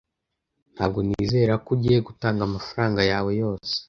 Ntabwo nizera ko ugiye gutanga amafaranga yawe yose.